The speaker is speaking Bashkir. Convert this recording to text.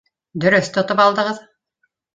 Дөрөҫ тотоп алдығыҙ